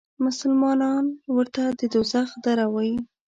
مسلمانان ورته د دوزخ دره وایي.